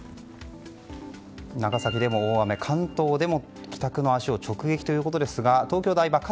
長崎でも大雨関東でも帰宅の足を直撃ということですが東京・台場です。